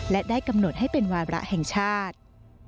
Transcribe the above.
และได้กำหนดให้เป็นวาระแห่งชาติ